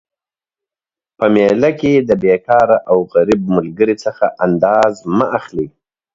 په میله کي د بیکاره او غریب ملګري څخه انداز مه اخلئ